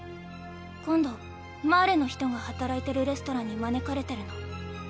今度マーレの人が働いてるレストランに招かれてるの。